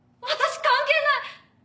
私関係ない。